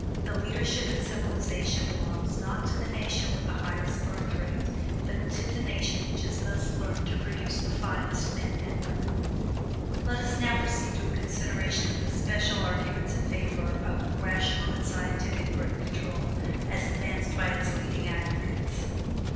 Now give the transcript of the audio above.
THE LEADERSHIP IN CIVILIZATION BELONGS NOT TO THE NATION WITH THE HIGHEST BIRTH RATE, BUT TO THE NATION WHICH HAS THUS LEARNT TO PRODUCE THE FINEST MEN AND WOMEN." Let us now proceed to a consideration of the special arguments in favor of rational and scientific Birth Control as advanced by its leading advocates.